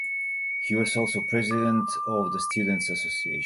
He was also President of the Students' Association.